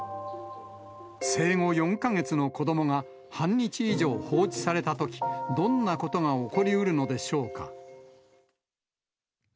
生後４か月の子どもが半日以上放置されたとき、どんなことが起こりうるのでしょうか。